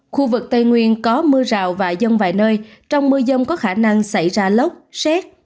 khu vực tây nguyên có mưa rào và rông vài nơi trong mưa dông có khả năng xảy ra lốc xét